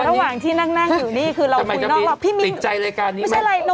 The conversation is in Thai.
ในระหว่างที่นั่งอยู่นี่คือเราคุยนอกพี่มิ้นทิ้งใจรายการไหม